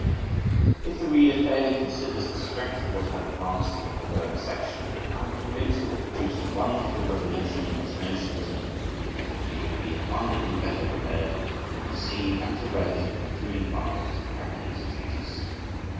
If the reader fairly considers the strength of what I have advanced in the foregoing section, I am convinced it will produce a wonderful revolution in his notions and opinions, and he will be abundantly better prepared to receive and to relish the concluding part of this miraculous treatise.